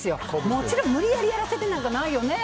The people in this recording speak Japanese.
もちろん無理やりやらせてなんかないよねえ？